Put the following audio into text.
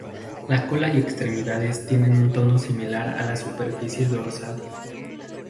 La cola y extremidades tienen un tono similar a la superficie dorsal.